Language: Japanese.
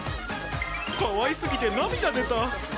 かわいすぎて涙出た。